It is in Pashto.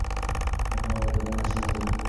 مانا به روښانه سوې وي.